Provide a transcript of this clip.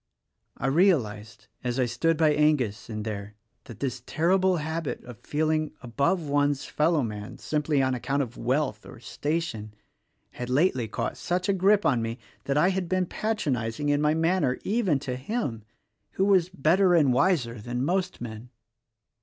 I realized — as I stood by Angus, in there, — that this ter rible habit of feeling above one's fellowman (simply on account of wealth or station) had lately caught such a grip on me that I had been patronizing in my manner even to him, who was better and wiser than most men.